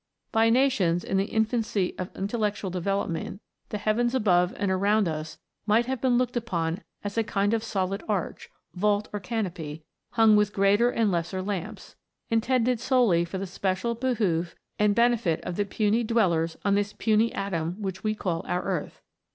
By nations in the infancy of intellectual develop ment the heavens above and around us might have been looked upon as a kind of solid arch, vault, or canopy, hung with greater and lesser lamps, intended A FLIGHT THROUGH SPACE. 183 solely for the special behoof and benefit of the puny dwellers on this puny atom which we call our earth.